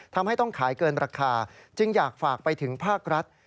ทำให้ต้องขายเกินราคาจึงอยากฝากไปถึงภาครัฐ